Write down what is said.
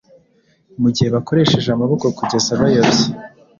Mugihe bakoresheje amaboko kugeza bayobye